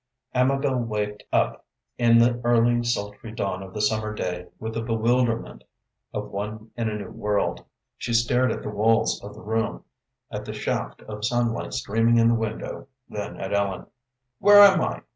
Amabel waked up in the early sultry dawn of the summer day with the bewilderment of one in a new world. She stared at the walls of the room, at the shaft of sunlight streaming in the window, then at Ellen. "Where am I?"